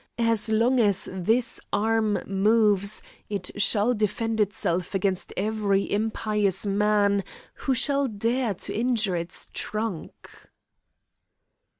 As long as this arm moves, it shall defend itself against every impious man who shall dare to injure its trunk."